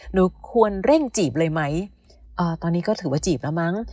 หนูควรเร่งจีบเลยไหมอ่าตอนนี้ก็ถือว่าจีบแล้วมั้ง